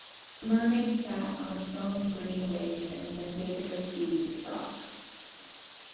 A mermaid sat on a foam-green wave and mended her seaweed frocks.